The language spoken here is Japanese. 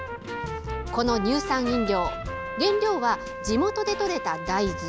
この乳酸飲料原料は地元でとれた大豆。